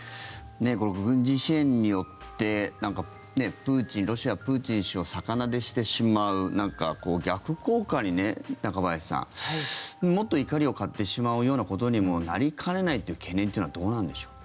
この軍事支援によってロシア、プーチン氏を逆なでしてしまう逆効果にね中林さんもっと怒りを買ってしまうようなことにもなりかねない懸念というのはどうなんでしょう？